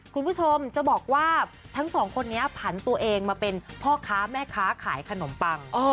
คุณผู้ชมจะบอกว่าทั้งสองคนนี้ผันตัวเองมาเป็นพ่อค้าแม่ค้าขายขนมปัง